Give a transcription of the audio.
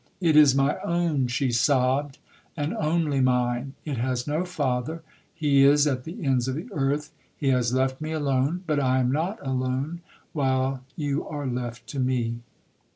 'It is my own,' she sobbed, 'and only mine! It has no father—he is at the ends of the earth—he has left me alone—but I am not alone while you are left to me!'